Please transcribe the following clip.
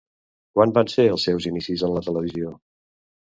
Quan van ser els seus inicis en la televisió?